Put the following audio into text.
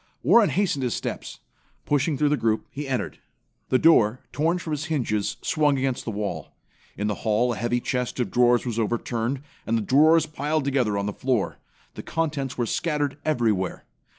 Warren hastened his steps. Pushing through the group, he entered. The door, torn from its hinges, swung against the wall. In the hall a heavy chest of drawers was overturned and the drawers piled together on the floor. The contents were scattered everywhere.